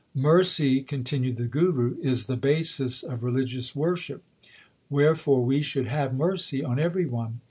Mercy , continued the Guru, * is the basis of religious worship ; wherefore we should have mercy on every one.